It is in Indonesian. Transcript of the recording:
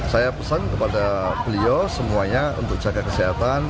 saya pesan kepada beliau semuanya untuk jaga kesehatan